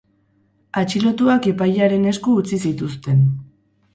Atxilotuak epailearen esku utzi zituzten.